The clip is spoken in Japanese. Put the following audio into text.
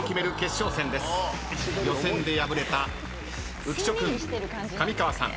予選で敗れた浮所君上川さん